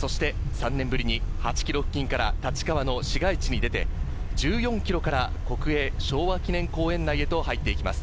そして３年ぶりに８ｋｍ付近から立川の市街地に出て、１４ｋｍから国営昭和記念公園内へと入っていきます。